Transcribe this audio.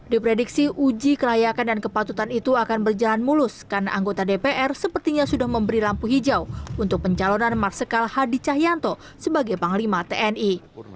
diprediksi uji kelayakan dan kepatutan itu akan berjalan mulus karena anggota dpr sepertinya sudah memberi lampu hijau untuk pencalonan marsikal hadi cahyanto sebagai panglima tni